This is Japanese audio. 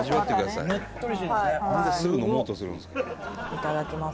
「いただきます」